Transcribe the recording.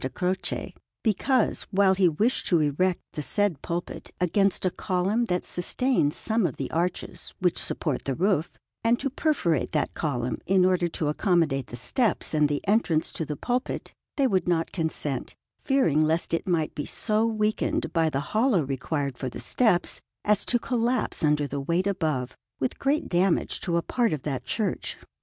Croce, because, while he wished to erect the said pulpit against a column that sustains some of the arches which support the roof, and to perforate that column in order to accommodate the steps and the entrance to the pulpit, they would not consent, fearing lest it might be so weakened by the hollow required for the steps as to collapse under the weight above, with great damage to a part of that church.